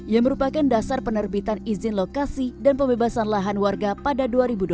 yang merupakan dasar penerbitan izin lokasi dan pembebasan lahan warga pada dua ribu dua puluh